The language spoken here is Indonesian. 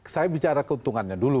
saya bicara keuntungannya dulu